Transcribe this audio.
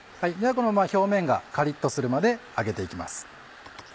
このまま表面がカリっとするまで揚げていきます。